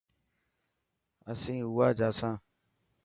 اسين اواجا سان.